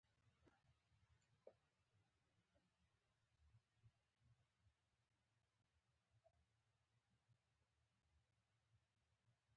ده وویل سر په بدل کې راکړه ما ورته په سر.